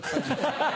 ハハハ！